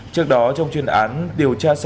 trước đó trong chuyên án điều tra xe